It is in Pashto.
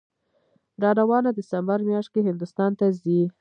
راروانه دسامبر میاشت کې هندوستان ته ځي